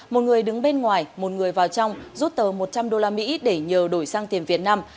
một người đứng bên ngoài một người vào trong rút tờ một trăm linh đô la mỹ để nhờ đổi sang tiền việt nam